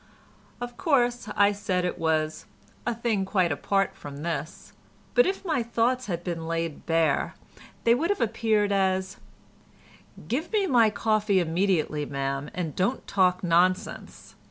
Of course I said it was "a thing quite apart from this," but if my thoughts had been laid bare, they would have appeared as "Give me my coffee immediately, ma'am, and don't talk nonsense."